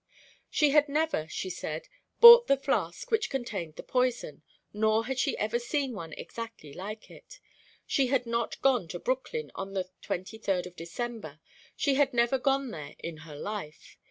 She had never, she said, bought the flask which contained the poison, nor had she ever seen one exactly like it. She had not gone to Brooklyn on the twenty third of December she had never gone there in her life.